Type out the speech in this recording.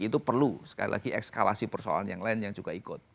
itu perlu sekali lagi ekskalasi persoalan yang lain yang juga ikut